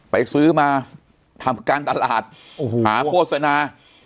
ไปซื้อมาทำการตลาดหาโฆษณา